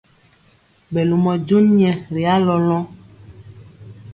Ɓɛ lomɔ jon nyɛ ri alɔlɔŋ.